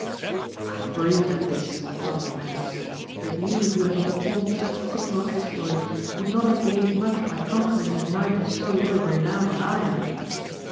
I am grieved at this, quoth Amadis, but you who have per formed such signal exploits, would not have gained much by conquering a knight of so little renown as I am.